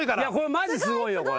マジすごいよこれ。